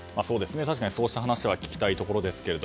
確かに、そうした話は聞きたいところですが。